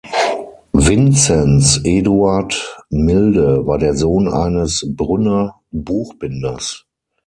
Vincenz Eduard Milde war der Sohn eines Brünner Buchbinders.